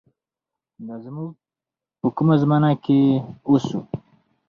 دا مونږ په کومه زمانه کښې اوسو